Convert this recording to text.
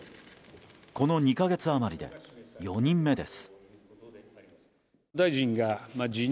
この２か月余りで４人目です。